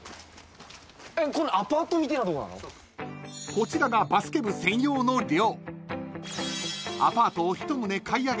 ［こちらがバスケ部専用の寮］